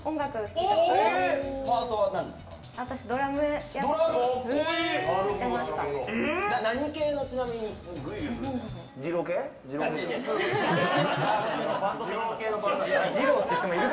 パートは何ですか？